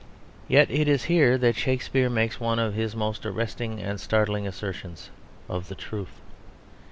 Yet it is here that Shakespeare makes one of his most arresting and startling assertions of the truth.